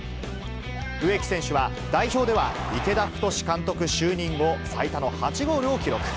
植木選手は代表では池田太監督就任後、最多の８ゴールを記録。